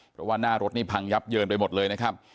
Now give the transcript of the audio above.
เพราะว่าหน้ารถนี่พังยับเยินไปหมดเลยนะครับ